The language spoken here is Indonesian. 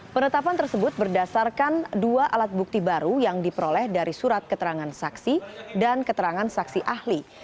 penetapan tersebut berdasarkan dua alat bukti baru yang diperoleh dari surat keterangan saksi dan keterangan saksi ahli